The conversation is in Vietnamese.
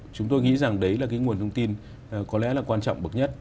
chúng tôi nghĩ rằng đấy là cái nguồn thông tin có lẽ là quan trọng bậc nhất